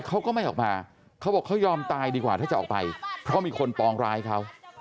เขาก็ไม่ออกมาเขาบอกเขายอมตายดีกว่าถ้าจะออกไปเพราะมีคนปองร้ายเขา